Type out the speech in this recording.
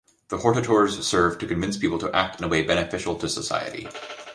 The Hortators serve to convince people to act in a way beneficial to society.